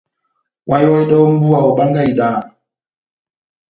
Oháyohedɛhɛ ó mbúwa, obángahi idaha.